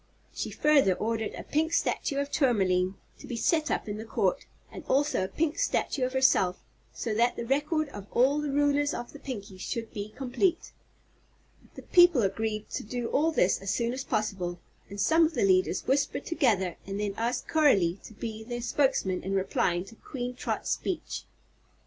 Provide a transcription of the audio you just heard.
She further ordered a pink statue of Tourmaline to be set up in the Court, and also a pink statue of herself, so that the record of all the rulers of the Pinkies should be complete. The people agreed to do all this as soon as possible, and some of the leaders whispered together and then asked Coralie to be their spokesman in replying to Queen Trot's speech.